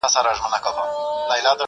چي پر دي دي او که خپل خوبونه ویني!!